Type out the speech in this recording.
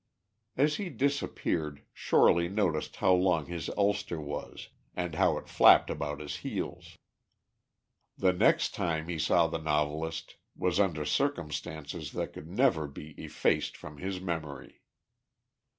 As he disappeared, Shorely noticed how long his ulster was, and how it flapped about his heels. The next time he saw the novelist was under circumstances that could never be effaced from his memory.